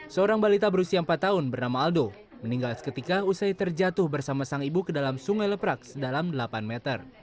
seorang balita berusia empat tahun bernama aldo meninggal seketika usai terjatuh bersama sang ibu ke dalam sungai leprak sedalam delapan meter